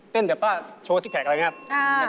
เต้นแบบว่าโชว์สิพริกอะไรอย่างนี้